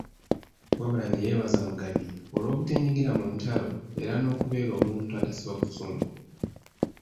Wabula ne yeebaza Mugabi olw'obuteenyigira mu ntalo era n'okubeera omuntu atasiba busungu.